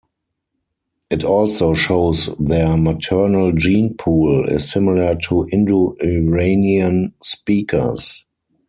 It also shows their maternal gene pool is similar to Indo-Iranian speakers.